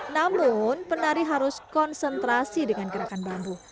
namun penari harus konsentrasi dengan gerakan bambu